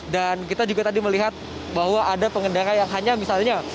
dan kita juga tadi melihat bahwa ada pengendara yang hanya misalnya